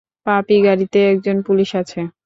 পাপি, গাড়িতে একজন পুলিশ আছে?